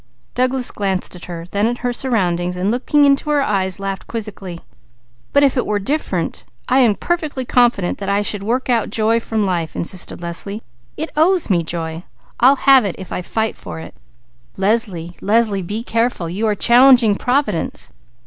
Douglas glanced at her, then at her surroundings, and looking into her eyes laughed quizzically. "But if it were different, I am perfectly confident that I should work out joy from life," insisted Leslie. "It owes me joy! I'll have it, if I fight for it!" "Leslie! Leslie! Be careful! You are challenging Providence.